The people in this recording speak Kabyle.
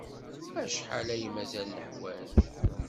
Acḥal ay mazal neḥwaj?